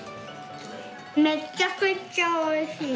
めっちゃくっちゃおいしい。